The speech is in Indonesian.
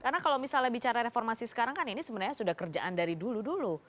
karena kalau misalnya bicara reformasi sekarang kan ini sebenarnya sudah kerjaan dari dulu dulu